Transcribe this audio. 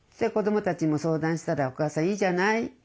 子どもたちにも相談したら「お母さんいいじゃない。